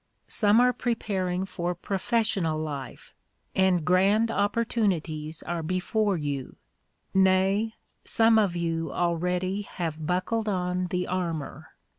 Some are preparing for professional life, and grand opportunities are before you; nay, some of you already have buckled on the armor.